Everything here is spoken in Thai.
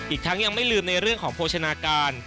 อีกทั้งยังไม่ลืมในเรื่องของโภชนาการ